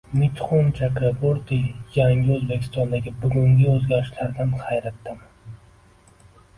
Mitxun Chakraborti: Yangi O‘zbekistondagi bugungi o‘zgarishlardan hayratdaman!